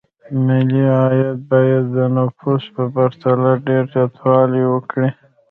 ملي عاید باید د نفوسو په پرتله ډېر زیاتوالی وکړي.